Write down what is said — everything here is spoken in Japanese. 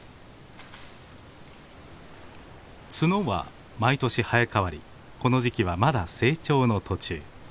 角は毎年生えかわりこの時期はまだ成長の途中。